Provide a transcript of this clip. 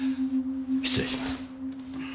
失礼します。